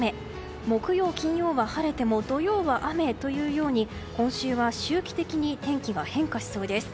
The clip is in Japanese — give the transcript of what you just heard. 木曜、金曜は晴れても土曜は雨というように今週は周期的に天気が変化しそうです。